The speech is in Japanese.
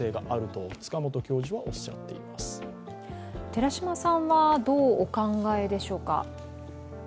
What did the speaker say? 寺嶋さんはどうお考えでしょうか？